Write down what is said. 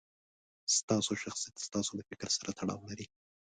ستاسو شخصیت ستاسو له فکر سره تړاو لري.